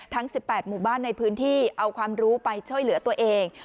ทั้ง๑๘หมู่บ้านในพื้นที่เอาความรู้ไปช่วยเหลือตัวเอง